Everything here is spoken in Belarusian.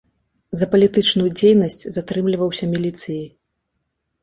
За палітычную дзейнасць затрымліваўся міліцыяй.